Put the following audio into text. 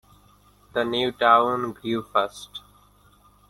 The new town grew fast.